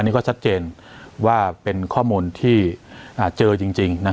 นี่ก็ชัดเจนว่าเป็นข้อมูลที่เจอจริง